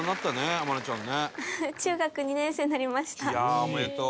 いやおめでとう。